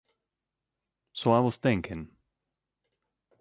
So I was thinking.